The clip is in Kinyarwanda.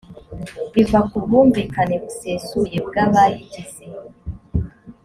biva ku bwumvikane busesuye bw’abayigize